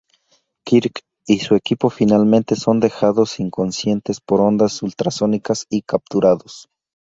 Kirk y su equipo finalmente son dejados inconscientes por ondas ultrasónicas y capturados.